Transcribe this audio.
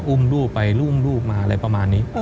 อุ้มลูกไปอุ้มลูกมาอะไรประมาณนี้